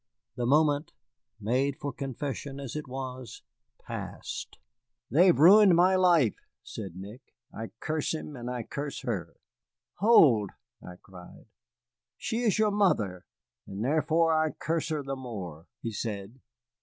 The moment, made for confession as it was, passed. "They have ruined my life," said Nick. "I curse him, and I curse her." "Hold!" I cried; "she is your mother." "And therefore I curse her the more," he said.